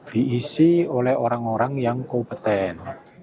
diisi oleh orang orang yang kompeten